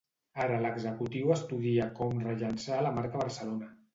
Ara l'executiu estudia com rellançar la marca Barcelona.